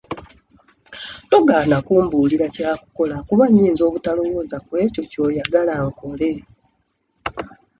Togaana kumbuulira kyakukola kuba nnyinza obutalowooza kw'ekyo ky'oyagala nkole.